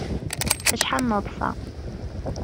Acḥal neḍsa!